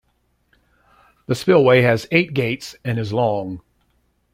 The spillway has eight gates and is long.